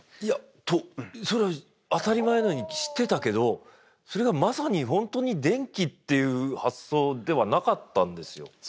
いやそれは当たり前のように知ってたけどそれがまさに本当に電気っていう発想ではなかったんですよ。